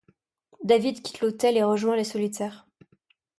David quitte l'hôtel et rejoint les Solitaires.